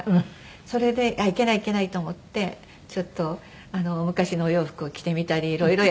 それでいけないいけないと思ってちょっと昔のお洋服を着てみたり色々やってみたりして。